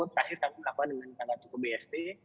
terakhir kami melakukan dengan ikan ikan tuku bst